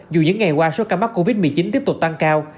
dù những ngày qua số ca mắc covid một mươi chín tiếp tục tăng cao